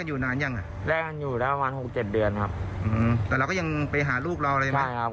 ก็ตกลงกันเรียบร้อยแล้วครับ